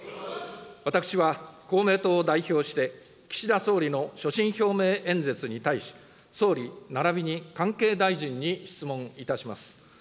私は公明党を代表して、岸田総理の所信表明演説に対し、総理ならびに関係大臣に質問いたします。